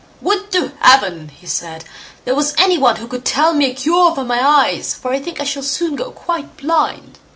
"Would to Heaven", he said, "there was any one who could tell me a cure for my eyes; for I think I shall soon go quite blind!"